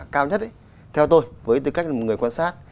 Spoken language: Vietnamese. cao nhất theo tôi với tư cách là một người quan sát